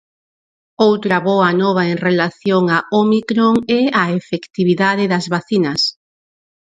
Outra boa nova en relación á ómicron é a efectividade das vacinas.